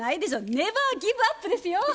ネバーギブアップですよ。